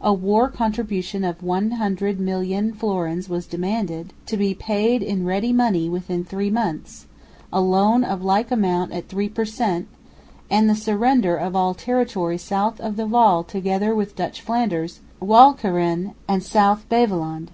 A war contribution of 100,000,000 florins was demanded, to be paid in ready money within three months, a loan of like amount at 3 per cent, and the surrender of all territory south of the Waal together with Dutch Flanders, Walcheren and South Beveland.